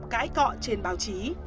cãi cọ trên báo chí